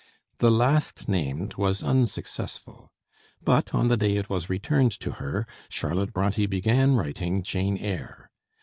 The last named was unsuccessful; but on the day it was returned to her, Charlotte Bronté began writing 'Jane Eyre.'